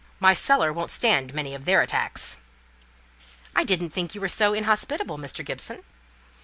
My cellar won't stand many of their attacks." "I didn't think you were so inhospitable, Mr. Gibson."